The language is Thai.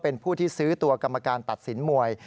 เป็นผู้ที่ซื้อตัวกรรมการตัดสินมวย